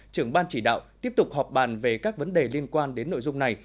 trưởng ban chỉ đạo tiếp tục họp bàn về các vấn đề liên quan đến nội dung này